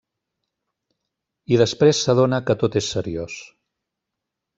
I després s'adona que tot és seriós.